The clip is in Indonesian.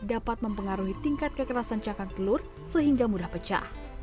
dapat mempengaruhi tingkat kekerasan cakang telur sehingga mudah pecah